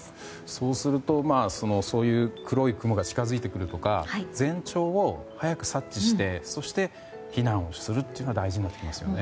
そうすると黒い雲が近づいてくるとか前兆を早く察知してそして、避難をするというのが大事になってきますね。